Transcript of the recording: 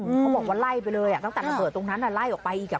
อืมเขาบอกว่าไล่ไปเลยอะต้องการระเบิดตรงนั้นอะไล่ออกไปอีกอะ